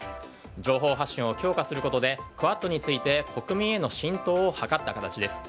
情報発信を強化することでクアッドについて国民への浸透を図った形です。